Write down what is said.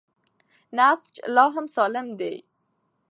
نسج لا هم سالم دی.